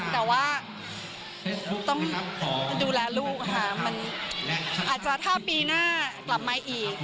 แต่ว่าต้องดูแลลูกค่ะมันอาจจะถ้าปีหน้ากลับมาอีก